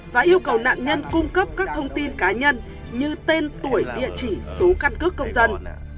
và yêu cầu nạn nhân cung cấp các thông tin cá nhân như tên tuổi địa chỉ số căn cước công dân